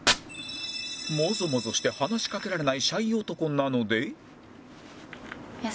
モゾモゾして話しかけられないシャイ男なので